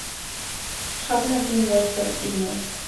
Hahn nació en Westchester, Illinois.